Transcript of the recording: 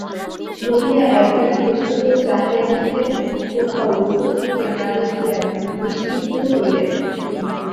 বলিয়া একবার ইতস্তত চাহিয়া দেখিলেন, কোথাও রঘুপতিকে না দেখিয়া নিশ্চিন্ত হইলেন।